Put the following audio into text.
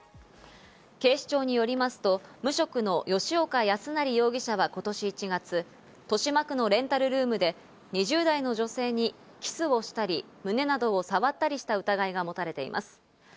警視庁によりますと無職の吉岡康成容疑者は今年１月、豊島区のレンタルルームで２０代の女性にキスをしたり、胸などを触ったりした疑いが持たれています。